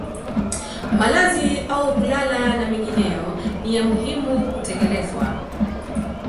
Malazi au kulala na mengineyo ni ya muhimu kutekelezwa